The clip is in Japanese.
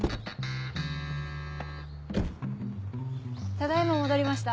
ただ今戻りました。